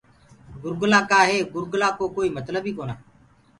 گُرگلآ ڪآ هي گُرگلآ ڪو ڪوئيٚ متلب ڪونآ۔